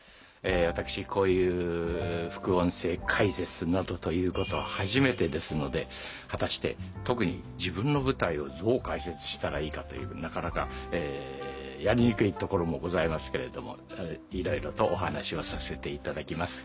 私こういう副音声解説などということは初めてですので果たして特に自分の舞台をどう解説したらいいかというなかなかやりにくいところもございますけれどもいろいろとお話をさせていただきます。